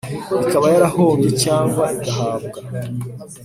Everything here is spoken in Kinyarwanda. Ikaba yarahombye cyangwa igahabwa